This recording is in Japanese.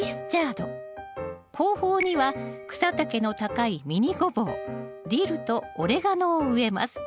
後方には草丈の高いミニゴボウディルとオレガノを植えます。